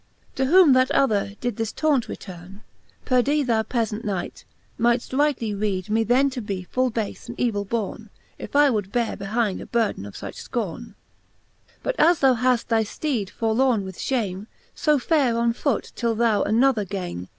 To whom that other did this taunt returne; Perdy, thou peaiant Knight, mightft rightly reed Me then to be full bafe and evill borne, If I would beare behinde a burden of fuch fcorne, XXXII. But as thou haft thy fteed forlorne with ftiame, So fare on foote till thou another gayne.